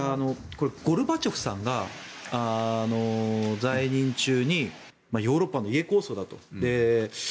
これゴルバチョフさんが在任中にヨーロッパの抗争だと。